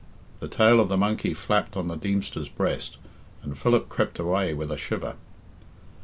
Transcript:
The tail of the monkey flapped on the Deemster's breast, and Philip crept away with a shiver.